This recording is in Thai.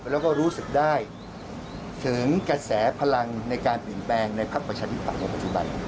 แล้วก็รู้สึกได้ถึงกระแสพลังในการเปลี่ยนแปลงในพักประชาธิปัตย์ในปัจจุบัน